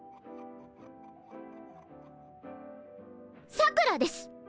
さくらです！